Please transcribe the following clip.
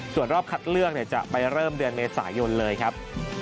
ส่วนรอบคัดเลือกจะไปเริ่มเดือนเมษายนเลยครับ